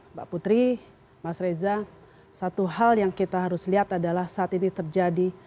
mbak putri mas reza satu hal yang kita harus lihat adalah saat ini terjadi